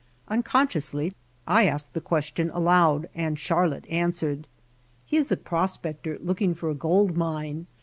Unconsciously I asked the question aloud and Charlotte answered : "He is a prospector looking for a gold mine.